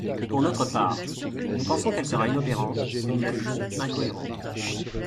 Pour notre part, nous pensons qu’elle sera inopérante, et nous la jugeons incohérente.